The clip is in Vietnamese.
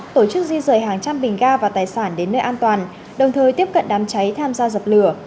tổ chức di rời hàng trăm bình ga và tài sản đến nơi an toàn đồng thời tiếp cận đám cháy tham gia dập lửa